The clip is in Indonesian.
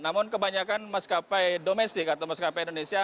namun kebanyakan maskapai domestik atau maskapai indonesia